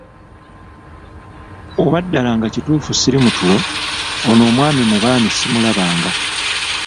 Oba ddala nga kituufu sili mu ttulo, ono omwami mu baami simulabanga!